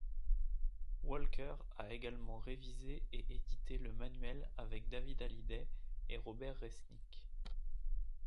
Walker a également révisé et édité le manuel avec David Halliday et Robert Resnick.